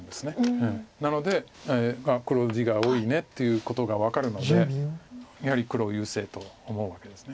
なので黒地が多いねっていうことが分かるのでやはり黒優勢と思うわけです。